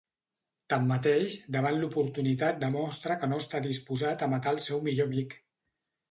Tanmateix, davant l'oportunitat demostra que no està disposat a matar el seu millor amic.